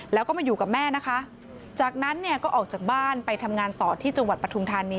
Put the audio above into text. แล้วก็มาอยู่กับแม่นะคะจากนั้นเนี่ยก็ออกจากบ้านไปทำงานต่อที่จังหวัดปทุมธานี